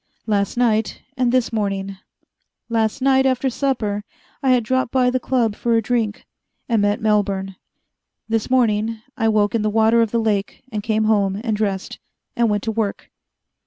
Last night and this morning. Last night, after supper, I had dropped by the Club for a drink. And met Melbourne. This morning I woke in the water of the lake, and came home, and dressed. And went to work.